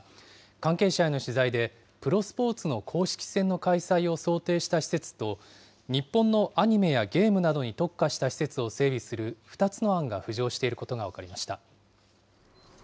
関係者への取材で、プロスポーツの公式戦の開催を想定した施設と、日本のアニメやゲームなどに特化した施設を整備する２つの案が浮上していることが分かりました。